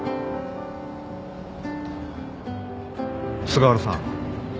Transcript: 菅原さん。